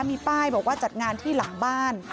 มีป้ายบอกว่าจัดงานที่หลังบ้าน